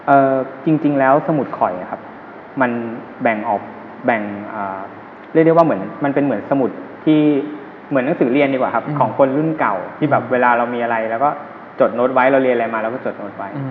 จริงจริงแล้วสมุดข่อยนะครับมันแบ่งออกแบ่งอ่าเรียกได้ว่าเหมือนมันเป็นเหมือนสมุดที่เหมือนหนังสือเรียนดีกว่าครับของคนรุ่นเก่าที่แบบเวลาเรามีอะไรเราก็จดโน้ตไว้เราเรียนอะไรมาเราก็จดโน้ตไว้